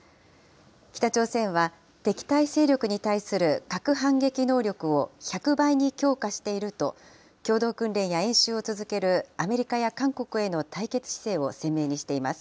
北朝鮮は、敵対勢力に対する核反撃能力を１００倍に強化していると、共同訓練や演習を続けるアメリカや韓国への対決姿勢を鮮明にしています。